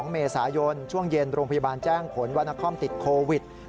๒เมษายนช่วงเย็นโรงพยาบาลแจ้งผลว่านครติดโควิด